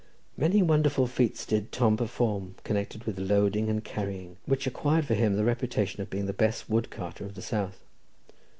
Many wonderful feats did Tom perform connected with loading and carrying, which acquired for him the reputation of being the best wood carter of the south.